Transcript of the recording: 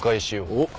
おっ。